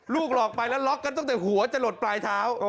หลอกไปแล้วล็อกกันตั้งแต่หัวจะหลดปลายเท้า